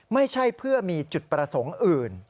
ไม่ใช่เพื่อมีจุดประสงค์อื่น